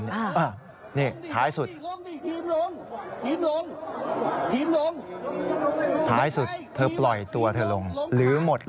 แต่เห็นอยู่ด้านนู้น๑คน